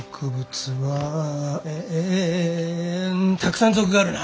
えたくさん属があるな！